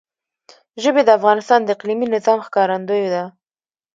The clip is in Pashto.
ژبې د افغانستان د اقلیمي نظام ښکارندوی ده.